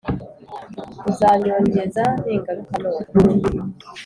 uzanyongeza ningaruka none